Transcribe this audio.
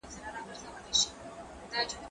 زه درسونه نه لوستل کوم!؟